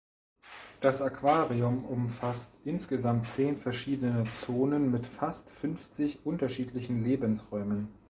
Das Aquarium umfasst insgesamt zehn verschiedene Zonen mit fast fünfzig unterschiedlichen Lebensräumen.